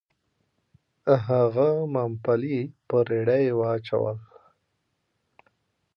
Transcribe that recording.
هغه ممپلي په رېړۍ واچول. .